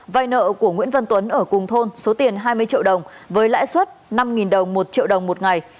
vay nợ của nguyễn văn tuấn ở cùng thôn số tiền hai mươi triệu đồng với lãi suất năm đồng một triệu đồng một ngày